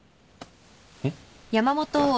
えっ？